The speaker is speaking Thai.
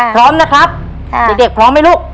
พร้อมนะครับเด็กพร้อมไหมลูก